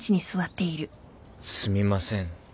すみません。